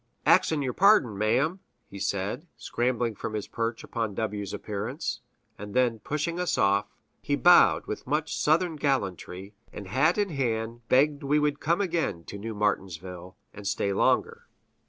"Ax'n yer pardon, ma'm!" he said, scrambling from his perch upon W 's appearance; and then, pushing us off, he bowed with much Southern gallantry, and hat in hand begged we would come again to New Martinsville, and stay longer.